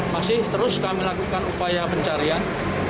masih terus kami lakukan upaya pencarian